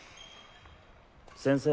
先生。